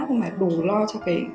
nhưng mà đủ lo cho cái